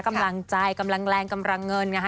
กำลังใจกำลังแรงกำลังเงินนะคะ